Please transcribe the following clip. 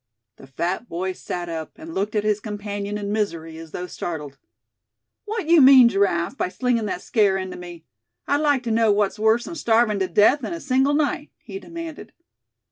The fat boy sat up, and looked at his companion in misery as though startled. "What you mean, Giraffe, by slingin' that scare into me; I'd like to know what's worse than starvin' to death in a single night?" he demanded.